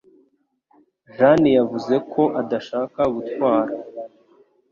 Jeanne yavuze ko adashaka gutwara.